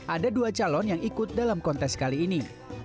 ada dua calon yang ikut dalam kontes kali ini